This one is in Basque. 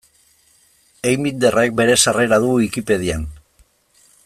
Einbinderrek bere sarrera du Wikipedian.